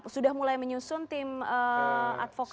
sudah mulai menyusun tim advokat